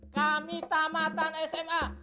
kami tamatan sma